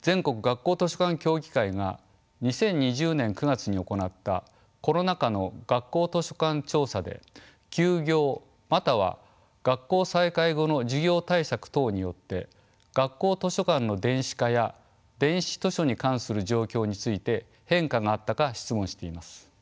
全国学校図書館協議会が２０２０年９月に行ったコロナ禍の学校図書館調査で休業または学校再開後の授業対策等によって学校図書館の電子化や電子図書に関する状況について変化があったか質問しています。